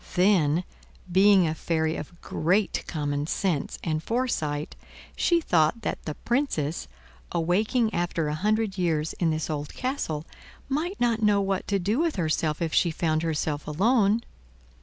Then, being a fairy of great common sense and foresight, she thought that the Princess, awakening after a hundred years in this old castle, might not know what to do with herself if she found herself alone.